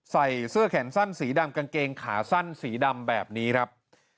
ใส่เสื้อแขนสั้นสีดำกางเกงขาสั้นสีดำแบบนี้ครับ